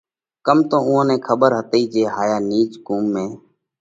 ڪم تو اُوئون نئہ کٻر هتئِي جي هائِيا نِيچ قُوم ۾